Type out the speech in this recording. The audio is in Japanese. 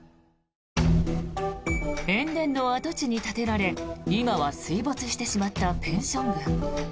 塩田の跡地に建てられ今は水没してしまったペンション群。